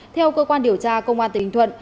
theo cơ quan điều tra công an tỉnh bình thuận